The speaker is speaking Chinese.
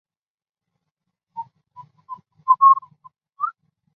石貂为鼬科貂属的动物。